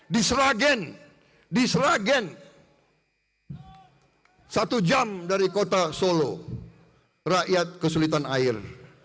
di sragen di sragen satu jam dari kota solo rakyat kesulitan air